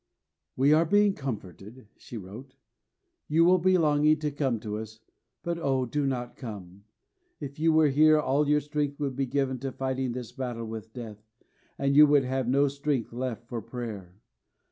"We are being comforted," she wrote. "You will be longing to come to us, but oh, do not come! If you were here all your strength would be given to fighting this battle with death, and you would have no strength left for prayer.